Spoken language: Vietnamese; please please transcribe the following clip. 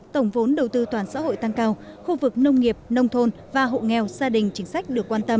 tổng vốn đầu tư toàn xã hội tăng cao khu vực nông nghiệp nông thôn và hộ nghèo